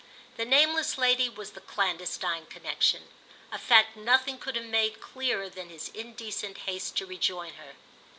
The nameless lady was the clandestine connexion—a fact nothing could have made clearer than his indecent haste to rejoin her.